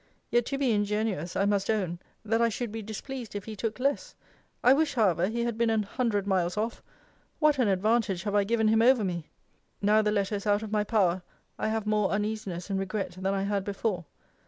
Yet, to be ingenuous, I must own, that I should be displeased if he took less I wish, however, he had been an hundred miles off! What an advantage have I given him over me! Now the letter is out of my power, I have more uneasiness and regret than I had before.